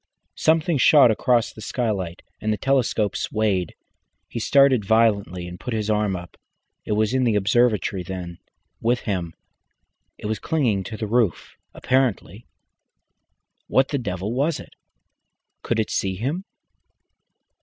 Something shot across the skylight, and the telescope swayed. He started violently and put his arm up. It was in the observatory, then, with him. It was clinging to the roof apparently. What the devil was it? Could it see him?